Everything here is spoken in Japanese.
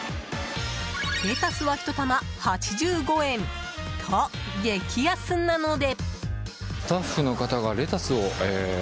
レタスは１玉８５円と激安なので。